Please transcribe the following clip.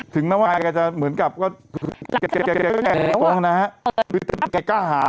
ถึงแม้ว่าจะเหมือนกับการกล้าหาน